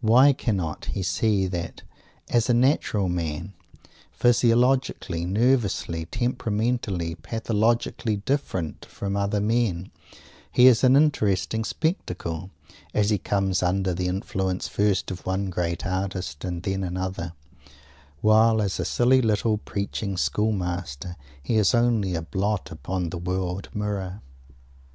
Why cannot he see that, as a natural man, physiologically, nervously, temperamentally, pathologically different from other men, he is an interesting spectacle, as he comes under the influence first of one great artist and then another, while as a silly, little, preaching school master, he is only a blot upon the world mirror!